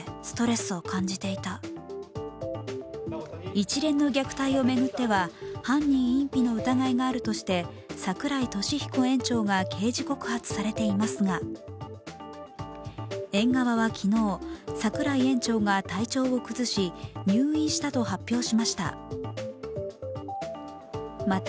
一連の虐待を巡っては犯人隠避の疑いがあるとして櫻井利彦園長が刑事告発されていますが、園側は昨日、櫻井園長が体調を崩し入院したと発表しました。